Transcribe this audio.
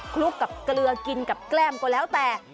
ลุกกับเกลือกินกับแก้มก็แล้วแต่